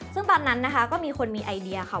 ซึ่งตอนนั้นนะคะก็มีคนมีไอเดียค่ะ